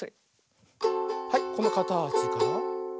はいこのかたちから。